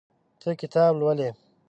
ته کتاب لولې.